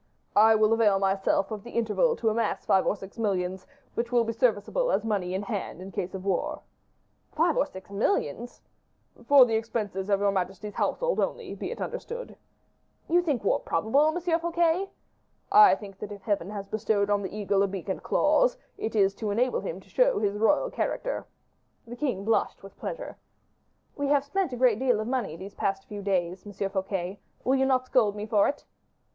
"I will avail myself of the interval to amass five or six millions, which will be serviceable as money in hand in case of war." "Five or six millions!" "For the expenses of your majesty's household only, be it understood." "You think war probable, M. Fouquet?" "I think that if Heaven has bestowed on the eagle a beak and claws, it is to enable him to show his royal character." The king blushed with pleasure. "We have spent a great deal of money these few days past, Monsieur Fouquet; will you not scold me for it?"